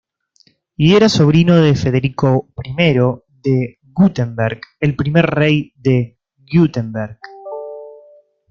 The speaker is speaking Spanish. Y era sobrino de Federico I de Wurtemberg, el primer rey de Württemberg.